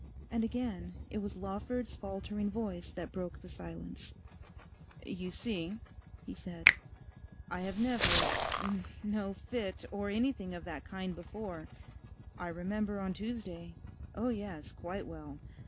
And again it was Lawford's faltering voice that broke the silence. 'You see,' he said, 'I have never... no fit, or anything of that kind before. I remember on Tuesday... oh yes, quite well.